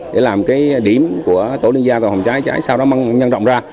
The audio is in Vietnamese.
để làm cái điểm của tổ liên gia tàu hồng cháy cháy sau đó mang nhân rộng ra